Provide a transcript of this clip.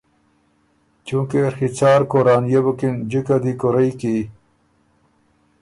چُونکې ڒی څارکورانيې بُکِن جِکه دی کورئ کی